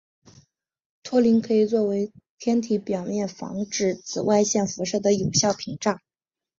托林可以作为天体表面防止紫外线辐射的有效屏障。